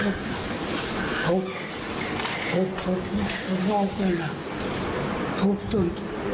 ทุบทุบทุบชุดทุบเมาค์เกินละทุบสุด